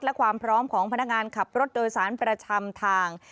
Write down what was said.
และความพร้อมของพนักงานขับรถโดยสารประจำทาง